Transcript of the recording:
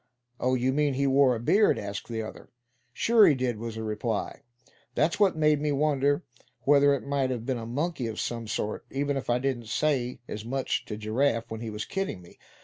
"Oh! you mean he wore a beard?" asked the other. "Sure he did," was the reply. "That's what made me wonder whether it might have been a monkey of some sort, even if I didn't say as much to Giraffe when he was kidding me.